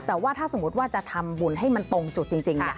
แต่ว่าถ้าสมมุติว่าจะทำบุญให้มันตรงจุดจริง